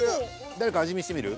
誰か味見してみる？